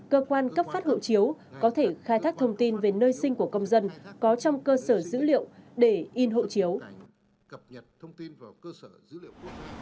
cơ quan cấp phát hộ chiếu có thể khai thác thông tin về nơi sinh của công dân có trong cơ sở dữ liệu để in hộ chiếu